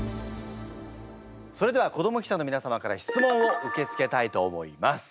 それでは子ども記者の皆様から質問を受け付けたいと思います。